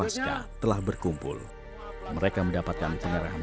setelah susul sasaran dibuat